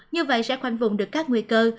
như vậy sẽ khoanh vùng được các nguy cơ